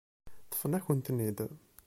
Ṭṭfen-akent-ten-id.